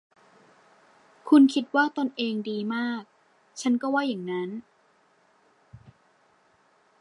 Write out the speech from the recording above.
คุณคิดว่าตนเองดีมาก ฉันก็ว่าอย่างนั้น